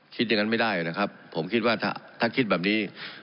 คิดอย่างนั้นไม่ได้นะครับผมคิดว่าถ้าคิดแบบนี้